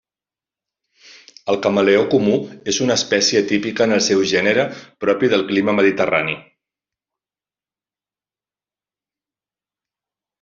El camaleó comú és una espècie típica en el seu gènere, propi del clima mediterrani.